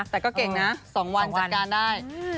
แต่ก็เก่งนะ๒วันจัดการได้